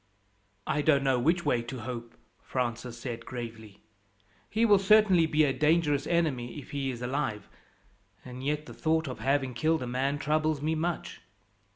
"I don't know which way to hope," Francis said gravely. "He will certainly be a dangerous enemy if he is alive; and yet the thought of having killed a man troubles me much."